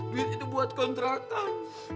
duit itu buat kontrakan